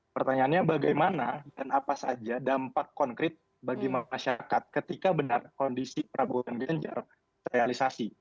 pertanyaannya bagaimana dan apa saja dampak konkret bagi masyarakat ketika benar kondisi prabowo dan ganjar terrealisasi